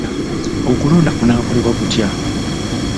Okulonda kunaakolebwa kutya?